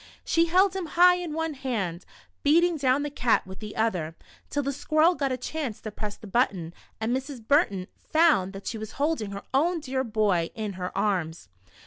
She held him high in one hand, beat ing down the cat with the other, till the squirrel got a chance to press the button, and Mrs. Burton found that she was holding her own dear boy in her arms.